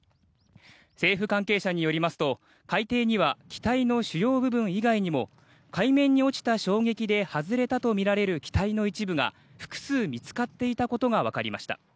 政府関係者によりますと海底には機体の主要部分以外にも海面に落ちた衝撃で外れたとみられる機体の一部が複数見つかっていたことが分かりました。